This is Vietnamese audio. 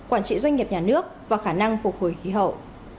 quản trị doanh nghiệp nhà nước và khả năng phục hồi khí hậu